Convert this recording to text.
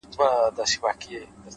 ته چیري تللی یې اشنا او زندګي چیري ده-